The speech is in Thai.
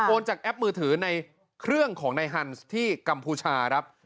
จากแอปมือถือในเครื่องของนายฮันส์ที่กัมพูชาครับ